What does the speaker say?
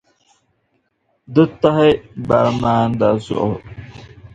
Di tahi baramanda zuɣu.